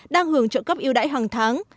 đang hưởng trợ cấp yêu đáy hàng tháng